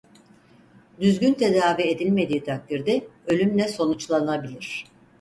Düzgün tedavi edilmediği takdirde ölümle sonuçlanabilir.